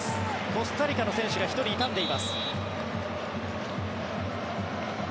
コスタリカの選手が１人痛んでいます。